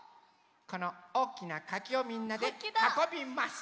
このおおきなかきをみんなではこびます。